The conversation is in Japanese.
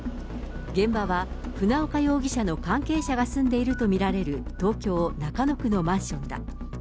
現場は船岡容疑者の関係者が住んでいると見られる、東京・中野区のマンションだ。